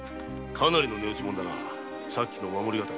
かなりの値打ちものだなさっきの「守り刀」。